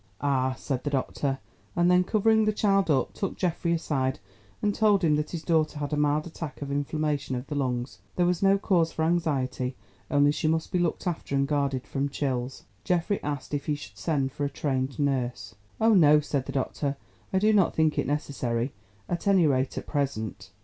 "Ah," said the doctor, and then covering the child up, took Geoffrey aside and told him that his daughter had a mild attack of inflammation of the lungs. There was no cause for anxiety, only she must be looked after and guarded from chills. Geoffrey asked if he should send for a trained nurse. "Oh, no," said the doctor. "I do not think it is necessary, at any rate at present.